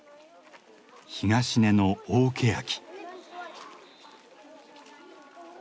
東根の大ケヤキ。